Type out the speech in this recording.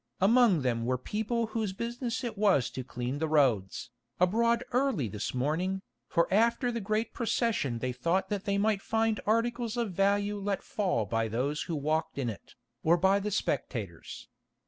Among them were people whose business it was to clean the roads, abroad early this morning, for after the great procession they thought that they might find articles of value let fall by those who walked in it, or by the spectators.